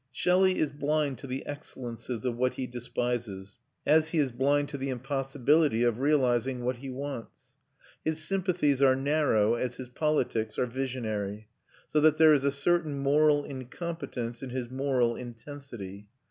Shelley is blind to the excellences of what he despises, as he is blind to the impossibility of realising what he wants. His sympathies are narrow as his politics are visionary, so that there is a certain moral incompetence in his moral intensity.